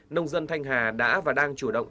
nông dân thanh hà đã và đang chủ động